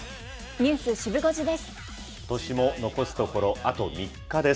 ニュースシブ５時です。